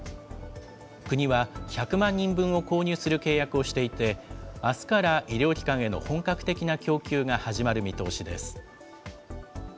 国は１００万人分を購入する契約をしていて、あすから医療機関への本格的な供給が始まる見通しです。